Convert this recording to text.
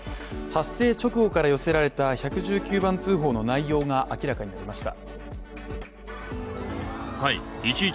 発生直後から寄せられた１１９番通報の内容が明らかになりました。